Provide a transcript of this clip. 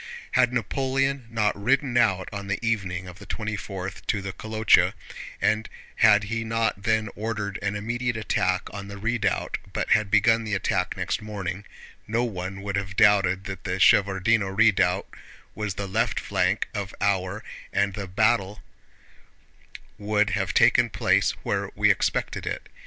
Had Napoleon not ridden out on the evening of the twenty fourth to the Kolochá, and had he not then ordered an immediate attack on the redoubt but had begun the attack next morning, no one would have doubted that the Shevárdino Redoubt was the left flank of our position, and the battle would have taken place where we expected it.